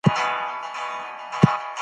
يوازيتوب انسان مرګ ته هڅوي.